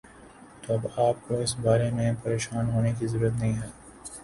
تو اب آ پ کو اس بارے میں پریشان ہونے کی ضرورت نہیں ہے